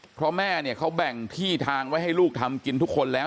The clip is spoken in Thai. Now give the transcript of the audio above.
เพราะแม่เนี่ยเขาแบ่งที่ทางไว้ให้ลูกทำกินทุกคนแล้ว